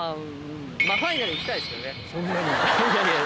ファイナル行きたいですけどね。